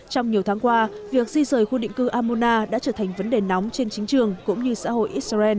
trong nhiều tháng qua việc di rời khu định cư amona đã trở thành vấn đề nóng trên chính trường cũng như xã hội israel